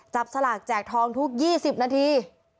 สลากแจกทองทุก๒๐นาที